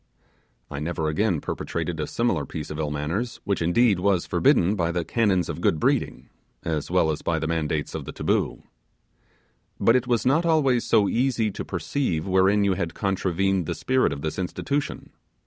I never again perpetrated a similar piece of ill manners, which, indeed, was forbidden by the canons of good breeding, as well as by the mandates of the taboo. But it was not always so easy to perceive wherein you had contravened the spirit of this institution.